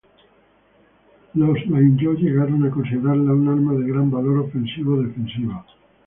Los daimyō llegaron a considerarla un arma de gran valor ofensivo-defensivo.